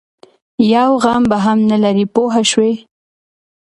یو غم به هم نه لري پوه شوې!.